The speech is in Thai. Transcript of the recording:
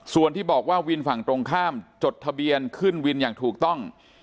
ส่วนที่บอกว่าวินฝั่งตรงข้ามจดทะเบียนขึ้นวินอย่างถูกต้อง